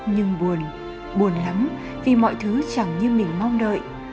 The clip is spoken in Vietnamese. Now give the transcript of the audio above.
nhưng buồn buồn lắm vì mọi thứ chẳng như mình mong đợi